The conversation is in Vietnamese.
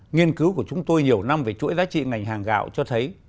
nghiên cứu của chúng tôi nhiều năm về chuỗi giá trị ngành hàng gạo cho thấy